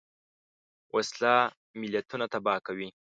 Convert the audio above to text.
وسله ملتونه تباه کوي